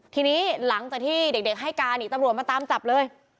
ทีนี้หลังจากที่เด็กให้การอีกตำรวจมาตามจับเลย